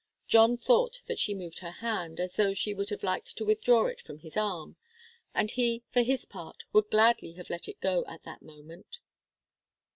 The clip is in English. John thought that she moved her hand, as though she would have liked to withdraw it from his arm, and he, for his part, would gladly have let it go at that moment.